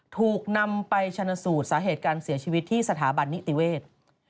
ถูกนำไปชนสูตรสาเหตุการเสียชีวิตที่สถาบันนิติเวทย์